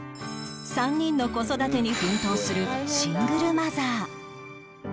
３人の子育てに奮闘するシングルマザー